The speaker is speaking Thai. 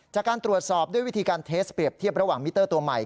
จากการตรวจสอบด้วยวิธีการเทสเปรียบเทียบระหว่างมิเตอร์ตัวใหม่